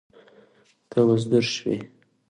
که مزدور شوې